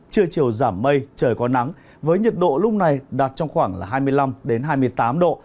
chưa chiều giảm mây trời có nắng với nhiệt độ lúc này đạt trong khoảng hai mươi năm đến hai mươi tám độ